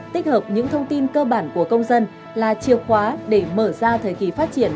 tích hợp những thông tin cơ bản của công dân là chìa khóa để mở ra thời kỳ phát triển